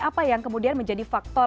apa yang kemudian menjadi faktor